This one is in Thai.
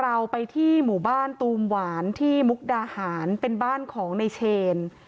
เราไปที่หมู่บ้านตูมหวานที่มุกดาหารเป็นบ้านของในเชน